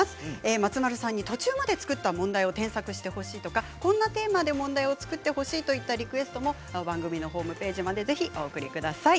松丸さんに途中まで作った問題を添削してほしいとかこのテーマ問題を作ってほしいというリクエストも番組のホームページまでお送りください。